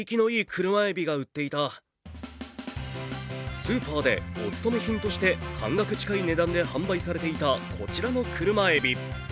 スーパーでおつとめ品として半額近い値段で販売されていた、こちらのクルマエビ。